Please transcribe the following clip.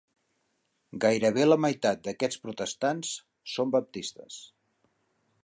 Gairebé la meitat d'aquests protestants són baptistes.